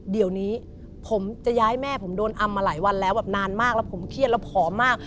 เดี๋ยวนี้ผมจะย้ายแม่ผมโดนอำมาหลายวันแล้วแบบนานมากแล้วผมเครียดแล้วผอมมาก